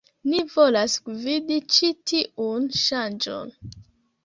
Ni volas gvidi ĉi tiun ŝanĝon.